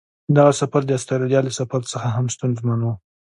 دغه سفر د استرالیا له سفر څخه هم ستونزمن و.